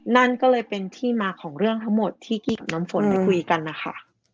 นั่นก็เลยเป็นที่มาของเรื่องทั้งหมดที่กี้กับน้ำฝนไปคุยกันนะคะ